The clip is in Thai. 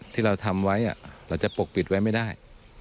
ที่เราทำไว้เราจะปกปิดไว้ไม่ได้